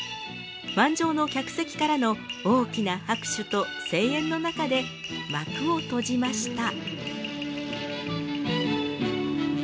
満場の客席からの大きな拍手と声援の中で幕を閉じました。